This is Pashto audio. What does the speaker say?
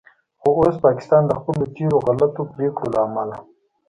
خو اوس پاکستان د خپلو تیرو غلطو پریکړو له امله